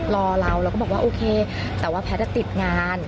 รอเราเราก็บอกว่าโอเคแต่ว่าแพทย์ติดงาน